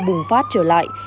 bùng phát trở lại